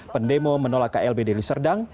pendemo menolak klb deli serdang